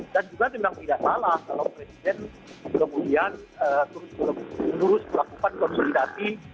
dan juga memang tidak salah kalau presiden kemudian terus melakukan konsolidasi